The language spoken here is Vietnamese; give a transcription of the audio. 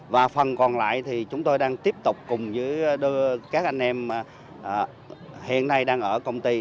và phần còn lại thì chúng tôi đang tiếp tục cùng với các anh em hiện nay đang ở công ty